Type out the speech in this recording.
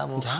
jangan ya ya